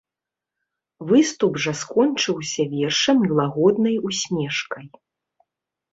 Выступ жа скончыўся вершам і лагоднай усмешкай.